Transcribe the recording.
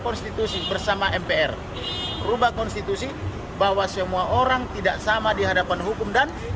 konstitusi bersama mpr rubah konstitusi bahwa semua orang tidak sama di hadapan hukum dan